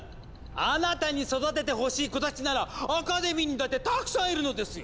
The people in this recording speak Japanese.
あなたに育ててほしい子たちならアカデミーにだってたくさんいるのですよ！